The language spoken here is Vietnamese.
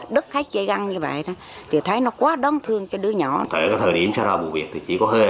đứt dây thần kinh giữa cổ tay trái đứt động mạch quay cổ tay trái đứt động mạch quay cổ tay trái đứt động mạch quay cổ tay trái